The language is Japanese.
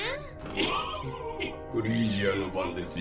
イヒヒフリージアの番ですよ。